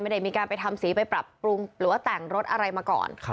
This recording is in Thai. ไม่ได้มีการไปทำสีไปปรับปรุงหรือว่าแต่งรถอะไรมาก่อน